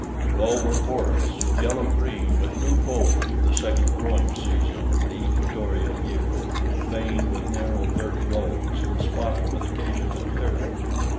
Below were forests, yellow green with new foliage of the second growing season of the equatorial year, veined with narrow dirt roads and spotted with occasional clearings.